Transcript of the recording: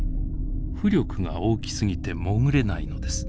浮力が大きすぎて潜れないのです。